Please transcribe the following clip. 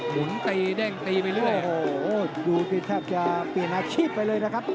หมุนตีเด้งตีไปเรื่อยโอ้โหดูสิแทบจะเปลี่ยนอาชีพไปเลยนะครับ